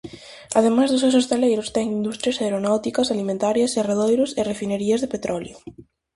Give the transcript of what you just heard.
Ademais dos seus estaleiros, ten industrias aeronáuticas, alimentarias, serradoiros e refinerías de petróleo.